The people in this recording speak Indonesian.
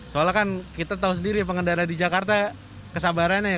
soalnya kan kita tahu sendiri ya pengendara di jakarta kesabarannya ya